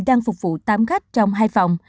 đang phục vụ tám khách trong hai phòng